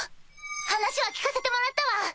話は聞かせてもらったわ！